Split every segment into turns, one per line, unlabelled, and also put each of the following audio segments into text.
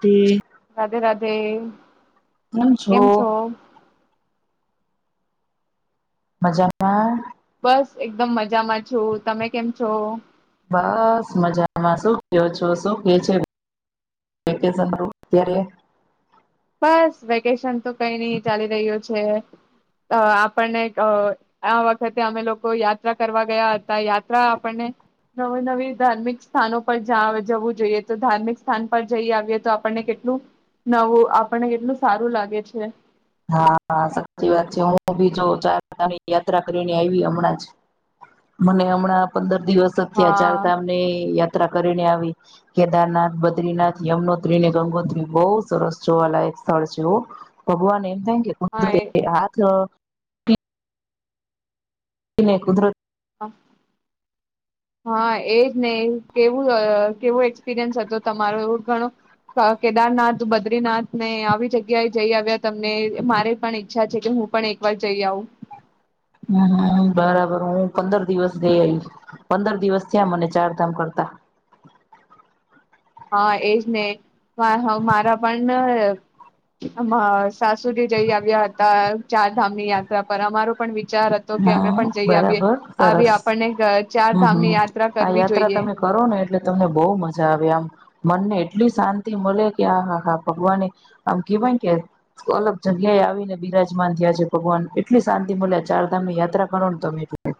તે
રાધે-રાધે.
કેમ છો? મજામાં?
બસ, એકદમ મજામાં જ
બસ, મજામાં શું શું કે છે? [unintelligible] વેકેશનનુ અત્યારે
બસ વેકેશન તો કઈ નહી ચાલી રહ્યું છે અ આપણને આ વખતે અમે લોકો યાત્રા કરવા ગયા હતા યાત્રા આપણને નવી-નવી ધાર્મિક સ્થાનો પર જવું જોઈએ તો ધાર્મિક સ્થાન પર જઈ આવીએ તો આપણને કેટલું નવું પણ કેટલું સારું લાગે છે.
હા, હા, સાચી વાત છે હું ભી જો ચાર ધામ ની યાત્રા કરીને આવી હમણાંજ. મને હમણાં પંદર દિવસ જ થયા ચાર
હા
ધામ ની યાત્રા કરીને આવી કેદારનાથ, બદ્રીનાથ, યમનોત્રી ને ગંગોત્રી. બહુ સરસ જોવાલાયક સ્થળ છે હો ભગવાનને [unintelligible]
હા
કુદરત
એ હા
બેય હાથ અને કુદરત
હા, એજ નહી કેવું-કેવું એક્સપિરિયન્સ હતો તમારો એવ ઘણો કેદારનાથ, બદ્રીનાથ ને આવી જગ્યાએ જઈ આવ્યા તમને. મારી પણ ઈચ્છા છે કે હું પણ એક વાર જઈ આવું.
બરાબર, હું પંદર દિવસ ગઈ આઈ. પંદર દિવસ થયા મને ચારધામ કરતા.
હા, એજ ને મારા હ-મારા પણ એમા સાસુજી જઈ આવ્યા હતા ચાર ધામની યાત્રા પર અમારો પણ વિ વિચાર હતો કે અમે
હા
પણ જઈ આવીએ
બરાબર સરસ
આવી આપણને ચાર
હમ
ધામની યાત્રા
હમ આ
કરવી
યાત્રા
જોઈએ.
તમે કરો ને એટલે તમને બહુ મજા આવે આમ, મનને એટલી શાંતિ મળે કે આહા હા ભગવાન આમ કેહેવાય કે અલગ જગ્યાએ આવીને બિરાજમાન થયા છે ભગવાન એટલી શાંતિ મળે છે. ચાર ધામ યાત્રા કરો ને તમે પણ.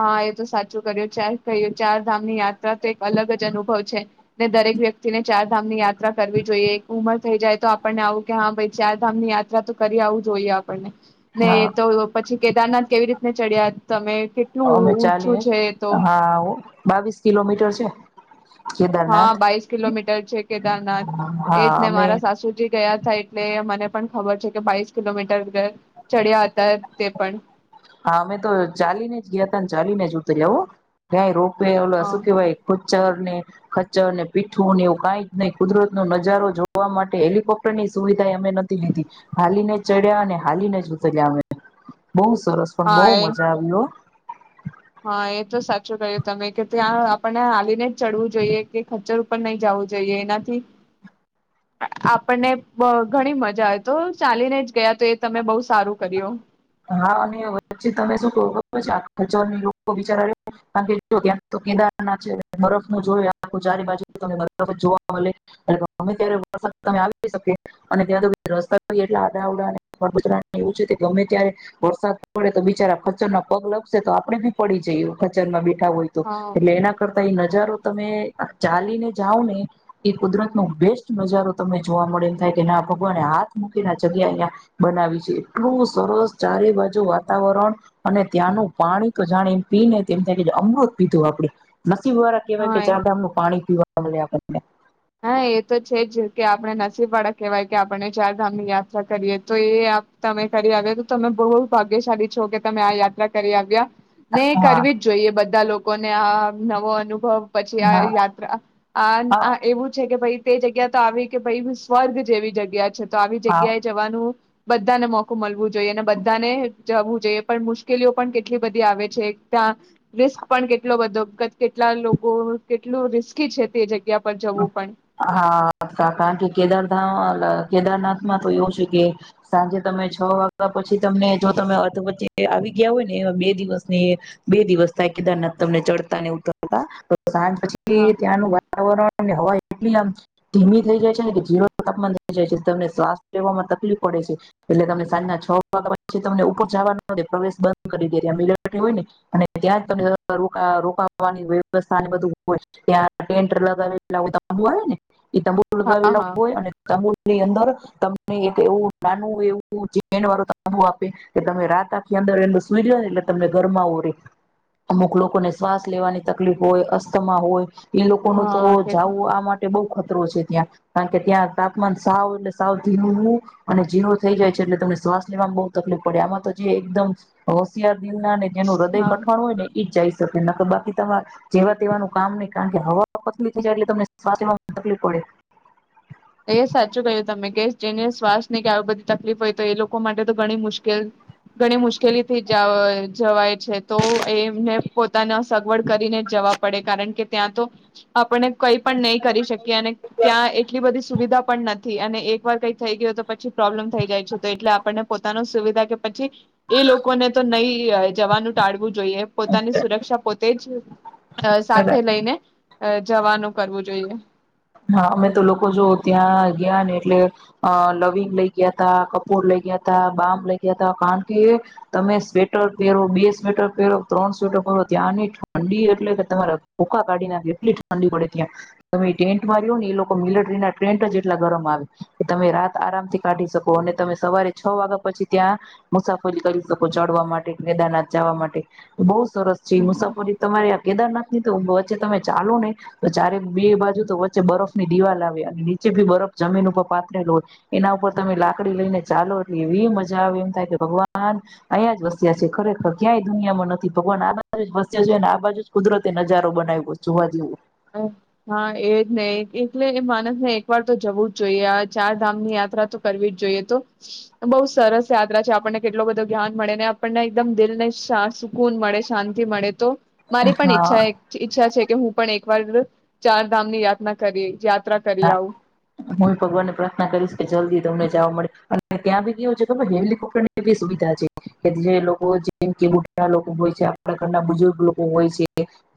હા, એ તો સાચું કર્યું ચાર કહ્યું ચાર ધામની યાત્રા તો એક અલગ જ અનુભવ છે. ને દરેક વ્યક્તિને ચાર સામી યાત ત્રા કરવી જોઈએ એક ઉમર થઈ જાય તો આપણને આવું કે હા, ભાઈ ચારધામ ની યાત્રા તો કરી આવું જોઈએ આપણને
હા
નહીં તો લો કેદારનાથ કેવી રીતે ને ચડ્યા તમે
અમે
ઊંચું
ચાલીએજ,
છે એ તો
હા આવો બાવીસ કિલોમીટર આછા
હા, બાઇસ કિલોમીટર છે. કેદારનાથ
હા
એજ ને
અમે
મારા સાસુજી ગયા થા એટલે મને પણ ખબર છે કે બાવસ કિલોમીટર [unintelligible] ચડ્યા હતા તે પણ
હા, અમે તો ચાલીને જ ગયાતા ને ચાલીને જ ઉતરયા હો ક્યાંય રો ને ઓલો
હા
શું કેવાય, એક પૂચ્ ચરને ખચ્ચર ને પીઠુંને એવું કાઈ જ નહી કુદરત નો નજારો જોવા માટે હેલિકોપ્ટર ની સુવિધા અમે નથી લીધી હાલીને જ ચડ્યા અને હાલીને જ ઉતર્યા અમે તો બહ સર પણ બહુ
હા એ
મજા આવી હો
હા, એ તો સાચું કર્યું તમે કે ત્યાં આપણને હાલીને જ ચડવું જોઈએ કે ખચ્ચર ઉપર નહી જાવું જોઈએ એનાથી આપણને બ ઘણી મજા આવે તો ચાલીને જ ગયા તો એ તમે બહુ સારું કર્યું.
હા, અને વચી તમે શું થોડુંક ચાલો ને ખબર આ લોકો બિચાર કારણ કે ત્યાં કેદારના છે બરફ ન જોય આખ ચારે બાજુ બરફ જ જોવા મળે ગમે ત્યારે વરસાદ તમે આવી શકે અને ત્યાં તો રસ્તા એટલા આડા આવડા ને વગરા એવું છે કે ગમે ત્યારે વરસાદ પડે તો બિચારા ખચ્ચર ના પગ લપસે તો આપડે ભી પડી જઈએ ખચ્ચર માં હોય તો
હા
એટલે એના કરતા એ નજારો તમે ચાલીને જાઓ ને એ કુદરત નો બેસ્ટ નજારો તમને જોવા મળે એને થાય કે ના ભગવાને હાથ મૂકીને જગ્યા અહીંયા બનાવી છે એટલું સરસ ચારે બાજુ વાતાવરણ અને ત્યાંનું પાણી તો જાણે એમ પીને તેમ થ અમૃત પીધું આપડે વારા કહેવાય કે
હા
ચામધામનું પાણી પીવાનું હમણે આપતા
આપણે નસીબવાળા કહેવાય કે આપણને ચારધામની યાત્રા કરવાનો અવસર મળ્યો. તમે આ યાત્રા કરી આવ્યા, એટલે તમે ખરેખર ભાગ્યશાળી છો. નહી
હા
કરવી જ જોઈએ બધા લોકોને આ નવો અનુભવ... પછી આ
હા
યાત્રા..
હા
[unintelligible] એવું છે કે ભાઈ તે જગ્યા તો આવી કે ભાઈ હું સ્વર્ગ જેવી જગ્યા છે. તો આવી
હા
જગ્યાએ જવાનું બધાને મોકો મળવું.. જોઈ ને બધાને જું.... જે પણ મુશ્કેલીઓ પણ કેટલી બધી આવે છે ત્યાં રિસ્ક પણ કેટલો બધો કેટલા લોકો કેટલું રિસ્કી છે તે જગ્યા. પર જવું પણ
હા સાકણ કે કેદર ધામ ઓ કેદારનાથમાં તો એવું છે કે સાંજે તમે છ વાગ્યા પછી તમને જો તમે અર્ધ વચ્ચે આવી ગયા હોય ને એ બે દિવસ થાય કેદારનાથ તમને ચડતા ને ઉતરતા સાંજ પછી
હા
ત્યાંનું વાતાવરણ... ત્યાં એટલી ઠંડી થઈ જાય છે કે તાપમાન શૂન્ય સુધી પહોંચી જાય છે અને શ્વાસ લેવામાં તકલીફ પડે છે. તેથી સાંજે છ વાગ્યા પછી ઉપર જવાનો પ્રવેશ બંધ કરી દેવામાં આવે છે. ત્યાં રોકાવાની વ્યવસ્થા માટે ટેન્ટ પણ લગાવેલા હોય છે. [unintelligible] એ તમુલ
હા
લગાવેલા
હા
હોય અને તમુલ તે ને તરત તમને એક એવું નાનું એવું [unintelligible] આપે છે, જેથી તમે આખી રાત અંદર આરામથી સૂઈ શકો. પરંતુ અમુક લોકોને શ્વાસ લેવામાં તકલીફ અથવા અસ્થમા હોય એ લોકો ન તો
હા
[inaudible]
તે
જાવું આ માટે બઉ [unintelligible] કારણ કે ત્યાં તાપમાન સાવ ને સાવ નીચું અને ઝીરો થઈ જાય છે, તેથી શ્વાસ લેવામાં બો તકલીફ પડે છે. એમાં તો જે એકદમ હોશયાર અને જેનું હૃદય
હા
કઠણ હોય ને ઈ જાય. નક બાકી તમારે જેવા તેવાનું કામ નહી કારણ કે હવા તો પતલી જયારે તમને શ્વાસ લેવામાં તકલીફ પડે.
એ સાચું કહ્યું તમે કે જેને શ્વાસ ને કે આવી બધી તકલીફ હોય તો એ લોકો માટે તો ઘણી મુશ્કેલ ઘણી મુશ્કેલ થઈ જવાય તો એમને પોતાના સગવડ કરીને જ જવા પડે કારણ કે ત્યાં તો આપને કઈ પણ નહી કરી શકી અને ત્યાં એટલી બધી ત્યાં ખાસ સુવિધાઓ પણ નથી, અને એકવાર કંઈ સમસ્યા થઈ જાય તો મુશ્કેલી વધી શકે છે. તેથી પોતાની સુવિધા અને સુરક્ષાનું ધ્યાન રાખવું જરૂરી છે. એ લોકોને તો નહી જવાનું ટાળવું જોઈએ પોતાની
એટલે
સુરક્ષા પોતે જ સાથે લઈને [unintelligible] જવાનું કરવું જોઈએ.
હા, અમે જ્યારે ત્યાં ગયા ત્યારે લવિંગ, કપૂર અને બામ સાથે લઈ ગયા હતા. કારણ કે ત્યાં એટલી કડકડતી ઠંડી પડે છે કે તમે એક, બે કે ત્રણ સ્વેટર પહેરો તો પણ ઠંડી ઓછી લાગતી નથી. ત્યાં રહેવા માટે મિલિટરી જેવા મજબૂત ટેન્ટ હોય છે, જે એટલા ગરમ હોય છે કે તમે રાત આરામથી પસાર કરી શકો. ત્યારબાદ સવારે છ વાગ્યા પછી કેદારનાથ જવા માટે આગળની મુસાફરી શરૂ કરી શકો. સરસ છે
હમ
મુસાફરી તમારી કેદારનાથ ની તો વચ્ચે તમે ચાલો ને તો ચારે બે બાજુ તો વચ્ચે બરફ ની દિવાલ આવે અને નીચે ભી બરફ જમીન ઉપર પાતરેલ હોય એના ઉપર તમે લાકડી લઈને ચાલો એટલે એવી મજા આવે એમ થાય કે ભગવાન અહીંયા જ વસ્યા છે ખરેખર ક્યાંય દુનિયામાં નથી ભગવાન આ બા જ વસ્યા છે અને આ બાજુ જ કુદરતે નજારો બનાવ્યો જોવા જેવું.
હા એજ નહી એટલે માણસને એક વાર તો જવું જ જોઈએ આ ચાર ધામની યાત્રા તો કરવી જ જોઈએ તો બહુ સરસ યાત્રા છે આપણને કેટલો બધો જ્ઞાન મળે ને આપણને એકદમ દિલ ને સુકૂન મળે શાંતિ મળે તો. મારી
હા
પણ ઈચ્છા
હા
ઈચ્છા છે. હું પણ એક ર ચાર ધામ ની યાત્રના કરીયા
હા હું ભગવાન ને પ્રાર્થના કરીશ કે જલ્દી તમને જવા મળે. ત્યાં બી કેવું છે ખર હેલિકપ્ટર ની બી સુવિધા છે, કે જે લોકો જેમ કે ગુ લોકો હોય છે આપણા ઘરના બુજુર્ગ લોકો હોય છે.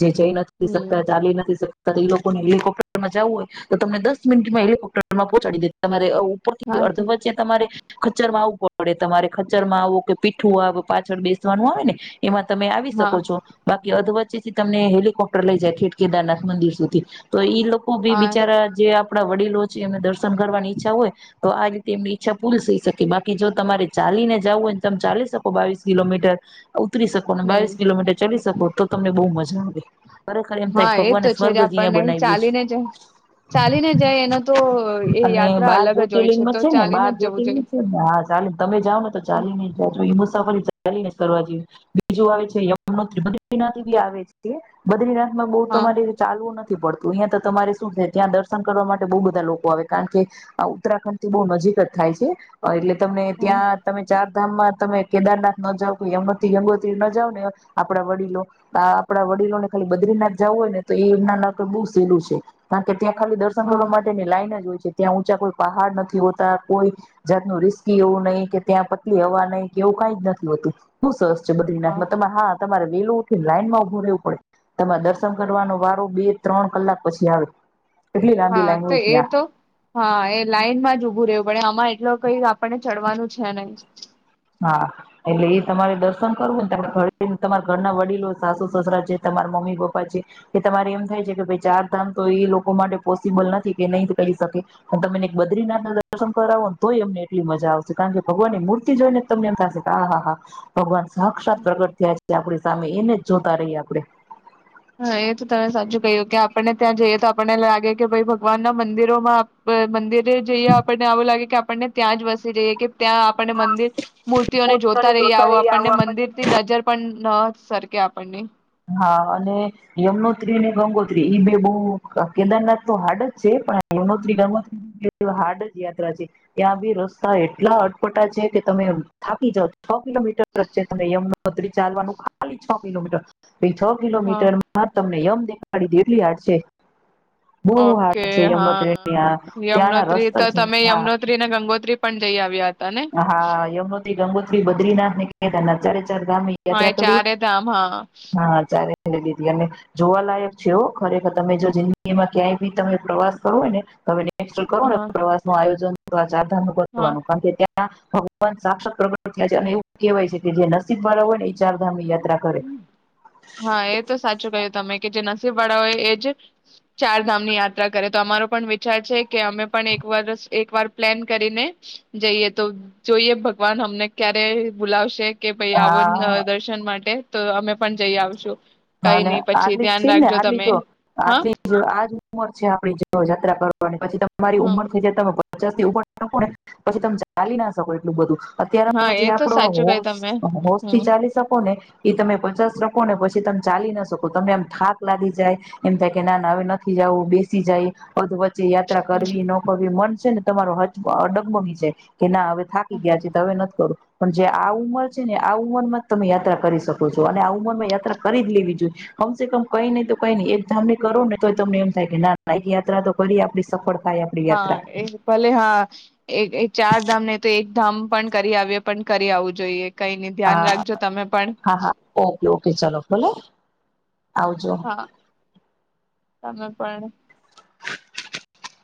જે જઈ નથી
હમ
શકતા ચાલી નથી શકતા એ લોકોને એ લોકો. મજા હોય તો તમ દસ મિનિટમાં હેલિકોપ્ટરમાં પહોંચાડી દે તમારે બર થી
હા તો
અડધો વાચ્યા તમારે ખચર માં આવવું પડે તમારે ખચર માં આવું કે પીઠું આવે પાછળ બેસવાનું આવે ને. એમાં તમે આવી
હા
શકો છો બાકી, અધવત થી તમને હેલિકોપ્ટર લઈ જાય ખેઠ કેદારનાથ મંદિર સુધી તો ઈ લોક
હા.
જે આપણા વડીલો છે એમને દર્શન કરવાની ઈચ્છા હોય તો આ રીતે એમની ઈચ્છા પૂરી થઈ શકે. બાકી જો તમારે ચાલીને જવું હોય તમે ચાલી શકો બાવીસ કિલોમીટર? ઉતરી શકો ને
હમ
બાવીસ કિલોમીટર ચડી શકો તો તમને બહુ મજ [inaudible] ખરેખર એમ થાય
હા એ
ભગવાનને
તો છે
સ્વર્ગ જ અહંયા
આપણને
બનાવ્યું છે.
ચાલીને જ ચાલીને જાય એનો તો એ
અને
યાત્રા
બાર
અલગ જ હોય
જ્યોતિર્લિંગમાં
તો
છે, ને
ચાલીને
બાર
જ જવું
જ્યોતિર્લિન
જોઈએ
છે ને હા ચાલી તમે જાઓ ને તો ચાલીનેચ જોજો એ મુસા [unintelligible] કરવા બીજું આવે છે યમ બદ્રીનાથ બી આવે છે બદ્રીનાથ માં બો
હા
તમારે ચાલવું નથી પડતું. તો અહિયાં તો તમારે શું થે. ત્યાં દર્શન કરવા માટે બહુ બધા લોકો આવે, કારણ કે આ ઉત્તરાખંડ થી બહુ નજીક જ થાય છે, એટલે તમને
હા
ત્યાં તમે ચાર ધામમાં તમે કેદારનાથ ન જાવ કોઈ અંગથી અંગો ન જાવ ને આપડા વડીલો આપડા વડીલો ને ખાલી બદ્રીનાથ જું હોય ને તો એમના ના બહ સહેલું છે. [unintelligible] ત્યાં ખાલી દર્શન કરવા માટેની લાઈન જ હોય છે. ત્યાં ઊંચા કોઈ પહાડ નથી હોતા કોઈ જાતનું રિસ્કી એવું નહી કે ત્યાં પતલી હવા નહી કે એવું કઈ જ નથી હોતું, હુ સરસ. છે
હા
બદરીનાથ મા હા તમારે. વેલું ઉઠી લાઈનમાં ઉભો રહેવું પડે, તમારે દર્શન કરવાનો વારો બે ત્રણ કલાક પછી આવે. એટલી લાંબી
હા
લાઈન
તો
હોય
એ
ત્યાં
તો હા એ લાઈનમાં જ ઉભું રહેવું પડે અમાં. એટલ કઈ આપણને ચડવાનું છે નહી.
હા, એટલે એ તમારે દર્શન કરવું ને તમા ઘરે તમારા ઘરના વડીલો સાસુ, સસરા છે તમારા મમ્મી, પપ્પા છે એ તમારે એમ થાય છે કે ભાઈ ચાર ધામ તો એ લોકો માટે પોસિબલ નથી, કે નહી કરી શકે પણ તમેને બદ્રીનાથ ના દર્શન કરાવો ને તોય અમને એટલી મજા આવશે કારણ, કે ભગવાનની મૂર્તિ જોઈ ને તમને એમ થશે કે આ હા હા હા ભગવાન સાક્ષાત પ્રગટ થયા છે આપણી સામે એને જ જોતા રહીએ આપણે.
હા એ તો તમે સાચું કહ્યું, કે આપણને ત્યાં જઈએ તો આપણને લાગે કે ભાઈ ભગવાન ના મંદિરોમાં મંદિર એ જઈએ આપણને આવું લાગે કે આપણને ત્યાં જ વસી જઈએ કે. ત્યાં આપને મંદિર મૂર્તિઓને જોતા રહી આવો આપણને મંદિર થી નજર પણ ન સરખે આપણને.
હા અને યમનોત્રી ને, ગંગોત્રી ઈ બે બહ કેદારનાથ તો હાર્ડ જ છે. પણ યમનોત્રી ગંગોત્રી હાર્ડ જ યાત્રા છે ત્યાં બી રસ્તા એટલા અટપટા છે કે તમે થાપી જઓ છ કિલોમીટર જ છે ત યમુનોત્રી ચાલવાનું ખાલી છ કિલોમીટર. પહિ છ
હા
કિલોમીટર માં તમને યમ પાડી દેર એટલી હડ છે. બહુ
ઓકે
હાર્ડ છે
હા
યમનોત્રીની આ ત્યાંના
યમનોત્રી તો
રસ્તા છે
તમે
હા
યમુનોત્રી ને ગંગોત્રી પણ જઈ આવ્યા હતા ને
હા યમુનોત્રી, ગંગોત્રી, બદ્રીનાથ ને ક ચારે ચાર ધામ
હા એ
યાત્રા કરી
ચારે ધામ હા
હા ચારે લીધી તી, અને જોવાલાયક છે ઓ ખરેખર તમે જો જિંદગીમાં ક્યાંય બી તમે પ્રવાસ કરવો હોય ને તો હવે
હા
[inaudible] પ્રવાસ નું આયોજન. તો આચાર ધ
હા
કરવાનું કારણ કે ત્યાં ભગવાન સાક્ષાત પ્રગટ થયા છે અને એવું કહેવાય છે કે જે નસીબ વાળા હોય ને એ ચારધામની યાત્રા કરે
હા એ તો સાચું ક્યું તમે કે જે વાળાઓ એ જ ચાર ધામ ની યાત્રા કરે તો અમારો પણ વિચાર છે કે અમે પણ એક વાર એક વાર પ્લેન કરીને જઈએ તો જોઈએ ભગવાન અમને ક્યારે બુલાવશે. કે
હા
[unintelligible] માટે તો અમે પણ જઈ આવશું.
હા
કઈ
ને
નહી પછી
આટલી જ
ધ્યાન
છે ને
રાખજો
આટલી
તમે
જો
હા
આટલી આજ ઉંમર છે આપડી જો યાત્રા કરવા પણ એ પછી તમારી
હ
ઉમર થઈ જાય તમે પચાસ થી ઉપર [inaudible] ને પછી તમે ચાલી ના શકો એટલું બધું.
હા
અત્ય્યારે
એ
જે
તો
આપડો
સાચું કઈ
હોશ
તમે
હોશ થી
હમ
ચાલી શકો ને એ તમે પચાસ રાખો ને પછી ત ચાલી ના શકો તમે એમ થાક લાગી જાય એમ થાય કે ના ના હવે નથી જાવું બેસી જાય [unintelligible] જે યાત્રા કરવી નો કરવી મન છે ને તમારો હથ અડગ બની જાય. કે ના હવે થાકી ગયા છે તો હવે નથી કરુંવુ. પણ જે આ ઉંમર છે ને આ ઉંમર માં જ તમે યાત્રા કરી શકો છો અને આ ઉંમર માં યાત્રા કરી જ લેવી જોઈએ કમસે કમ કઈ નહી તો કઈ નઈ એક ધામ ને કરો ને તો તમને એમ થાય કે ના એક યાત્રા તો કરી આપડી સફળ થાય આપડી
હા
યાત્રા
એ ભલે હા એક ચાર ધામ ને તો એક એક ધામ પણ કરી આવીએ પણ કરી આવું જોઈએ. કઈ નઈ ધ્યાન
હા
રાખજો તમે પણ
હા હા ઓકે ઓકે ચલો ભોલે.
હા તમે પણ
[inaudible]